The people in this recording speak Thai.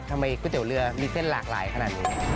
ก๋วยเตี๋ยวเรือมีเส้นหลากหลายขนาดนี้